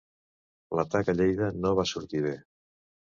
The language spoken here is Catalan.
L'atac a Lleida no va sortir bé.